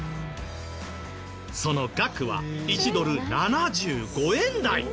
その額は１ドル７５円台。